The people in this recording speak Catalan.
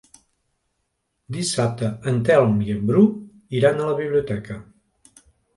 Dissabte en Telm i en Bru iran a la biblioteca.